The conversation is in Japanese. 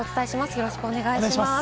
よろしくお願いします。